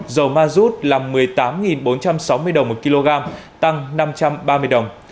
dầu mazut là một mươi tám bốn trăm sáu mươi đồng một kg tăng năm trăm ba mươi đồng